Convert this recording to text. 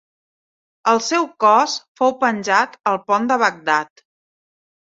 El seu cos fou penjat al pont de Bagdad.